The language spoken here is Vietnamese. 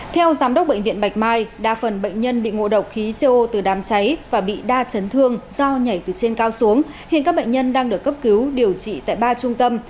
theo giám đốc bệnh viện bạch mai đa phần bệnh nhân bị ngộ độc khí co từ đám cháy và bị đa chấn thương do nhảy từ trên cao xuống hiện các bệnh nhân đang được cấp cứu điều trị tại ba trung tâm